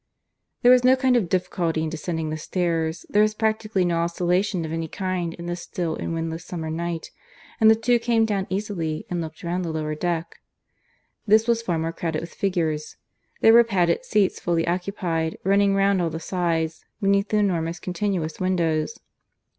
There was no kind of difficulty in descending the stairs; there was practically no oscillation of any kind in this still and windless summer night, and the two came down easily and looked round the lower deck. This was far more crowded with figures: there were padded seats fully occupied running round all the sides, beneath the enormous continuous windows.